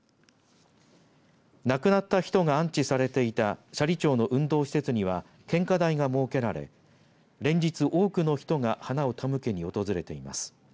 亡くなった人が安置されていた斜里町の運動施設には献花台が設けられ連日、多くの人が花を手向けに訪れています。